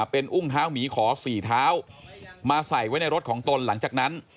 เป็นอุ้งเท้าหมีขอ๔เท้ามาใส่ไว้ในรถของตนหลังจากนั้น